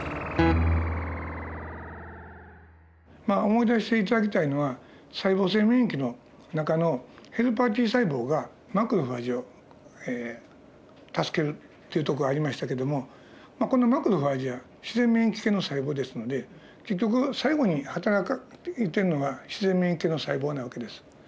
思い出して頂きたいのは細胞性免疫の中のヘルパーＴ細胞がマクロファージを助けるというとこがありましたけどもこのマクロファージは自然免疫系の細胞ですので結局最後にはたらいてるのは自然免疫の細胞な訳です。